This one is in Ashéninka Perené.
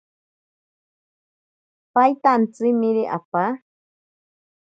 Paita antsimiri apa.